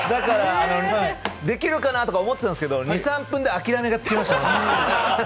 できるかなとか思ってたんですけど、２３分で諦めがつきました。